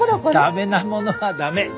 駄目なものは駄目。